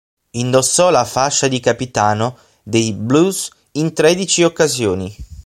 Indossò la fascia di capitano dei "blues" in tredici occasioni.